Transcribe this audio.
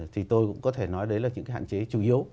thì tôi cũng có thể nói đấy là những cái hạn chế chủ yếu